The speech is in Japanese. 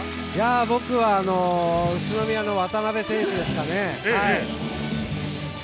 僕は宇都宮の渡邉選手ですかね。